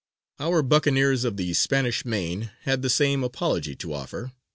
Our buccaneers of the Spanish main had the same apology to offer.